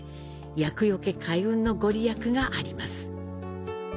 厄除開運の御利益があります。